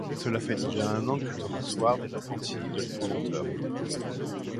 Cela fait déjà un an que Thomas Ward est l'apprenti de l'Épouvanteur.